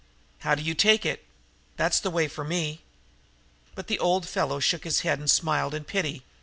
"How do you take it? That's the way for me." But the old fellow shook his head and smiled in pity.